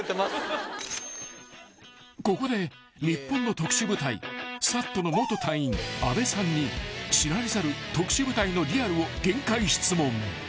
［ここで日本の特殊部隊ＳＡＴの元隊員阿部さんに知られざる特殊部隊のリアルを限界質問］